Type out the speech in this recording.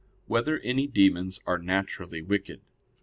4] Whether Any Demons Are Naturally Wicked?